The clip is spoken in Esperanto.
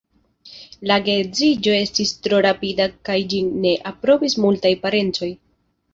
La geedziĝo estis tro rapida kaj ĝin ne aprobis multaj parencoj.